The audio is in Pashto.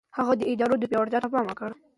هغه د ادارو پياوړتيا ته پام وکړ.